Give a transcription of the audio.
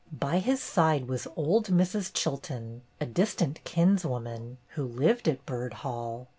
By his side was old Mrs. Chilton, a distant kinswoman, who lived at Byrd Hall.